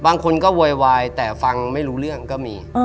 บางคนก็โวยวายแต่ฟังไม่รู้เรื่องก็มี